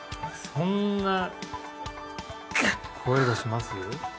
そんな声出します？